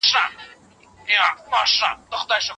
ميتا فزيکي مرحله يو پل دی.